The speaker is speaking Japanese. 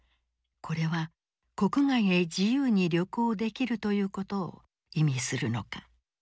これは国外へ自由に旅行できるということを意味するのか。